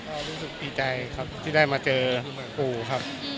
ก็รู้สึกดีใจครับที่ได้มาเจอปู่ครับ